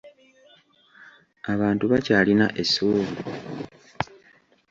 Abantu bakyalina essuubi.